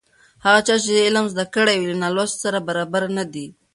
هغه چا چې علم زده کړی وي له نالوستي سره برابر نه دی.